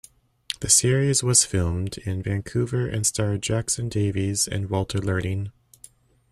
The series was filmed in Vancouver and starred Jackson Davies and Walter Learning.